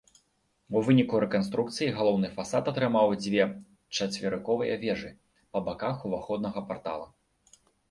У выніку рэканструкцыі галоўны фасад атрымаў дзве чацверыковыя вежы па баках уваходнага партала.